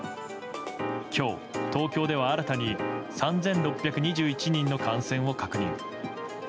今日、東京では新たに３６２１人の感染を確認。